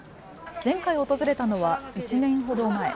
前回訪れたのは１年ほど前。